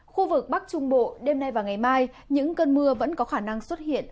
khu vực bắc trung bộ đêm nay và ngày mai những cơn mưa vẫn có khả năng xuất hiện